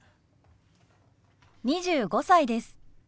２５歳です。